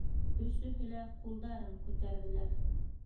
Өсөһө лә ҡулдарын күтәрҙеләр.